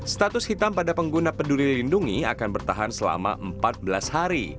status hitam pada pengguna peduli lindungi akan bertahan selama empat belas hari